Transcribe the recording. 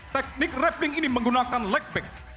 teknik rafling ini menggunakan leg bag